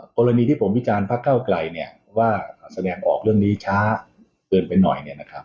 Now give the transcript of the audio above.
กรณีที่ผมวิจารณพระเก้าไกลว่าแสดงออกเรื่องนี้ช้าเกินไปหน่อย